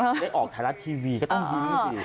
ถ้าไม่ออกถ่ายรัดทีวีก็ต้องยิ้มสิ